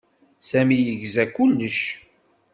Sami yegza kullec.